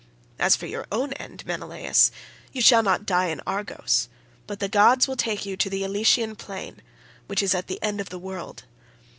As for your own end, Menelaus, you shall not die in Argos, but the gods will take you to the Elysian plain, which is at the ends of the world.